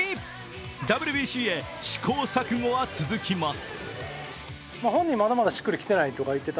ＷＢＣへ試行錯誤は続きます。